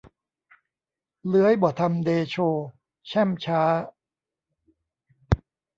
เลื้อยบ่ทำเดโช แช่มช้า